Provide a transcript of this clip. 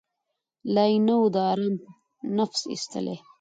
لا یې نه وو د آرام نفس ایستلی